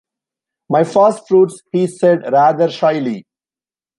"My first-fruits," he said, rather shyly.